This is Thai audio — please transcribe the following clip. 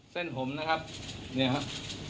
เส้นผมนะครับเนี่ยครับ